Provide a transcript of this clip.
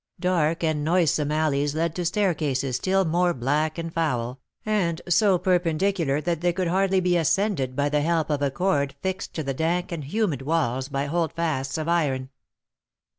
Dark and noisome alleys led to staircases still more black and foul, and so perpendicular that they could hardly be ascended by the help of a cord fixed to the dank and humid walls by holdfasts of iron.